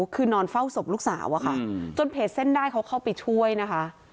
คือนอนเฝ้าศพลูกสาวอะค่ะจนเพจเส้นได้เขาเข้าไปช่วยนะคะ